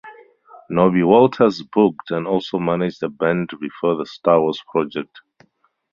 Norby Walters booked and also managed the band before the Star Wars project.